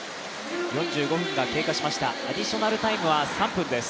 ４５分が経過しました、アディショナルタイムは３分です。